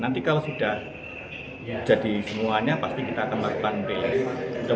nanti kalau sudah jadi semuanya pasti kita akan melakukan pelay